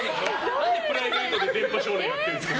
何でプライベートで「電波少年」やってるんですか。